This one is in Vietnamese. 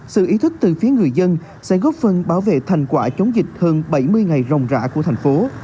sự ý thức từ phía người dân sẽ góp phần bảo vệ thành quả chống dịch hơn bảy mươi ngày rồng rã của thành phố